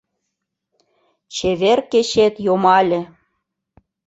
Чевер кечет йомале.